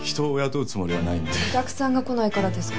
お客さんが来ないからですか？